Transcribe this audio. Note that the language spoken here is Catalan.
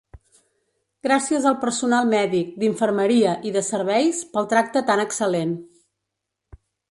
Gràcies al personal mèdic, d’infermeria i de serveis pel tracte tan excel·lent.